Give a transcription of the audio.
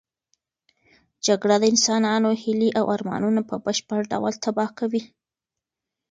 جګړه د انسانانو هیلې او ارمانونه په بشپړ ډول تباه کوي.